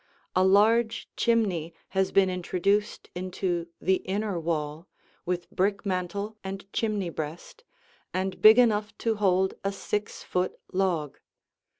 A large chimney has been introduced into the inner wall, with brick mantel and chimney breast, and big enough to hold a six foot log.